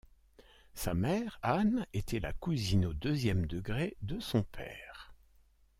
Sa mère, Anne, était la cousine au deuxième degré de son père.